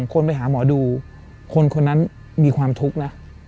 คนไปหาหมอดูคนคนนั้นมีความทุกข์นะ